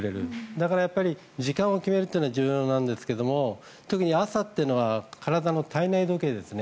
だから時間を決めるというのは重要なんですけど特に朝というのは体の体内時計ですね